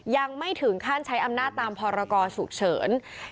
ยังไม่ถึงขั้นใช้อำนาจตามพรกรฉุกเฉิน